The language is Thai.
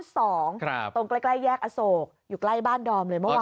ตรงใกล้แยกอโศกอยู่ใกล้บ้านดอมเลยเมื่อวาน